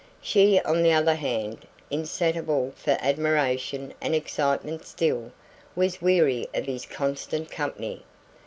She, on the other hand, insatiable for admiration and excitement still, was weary of his constant company.